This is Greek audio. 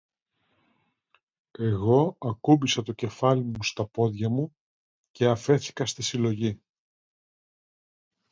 εγώ ακούμπησα το κεφάλι μου στα πόδια μου και αφέθηκα στη συλλογή